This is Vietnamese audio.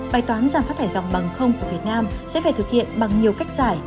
bài toán giảm phát thải dòng bằng không của việt nam sẽ phải thực hiện bằng nhiều cách giải